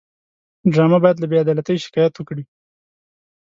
ډرامه باید له بېعدالتۍ شکایت وکړي